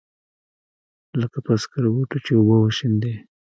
لکه پر سکروټو چې اوبه وشيندې.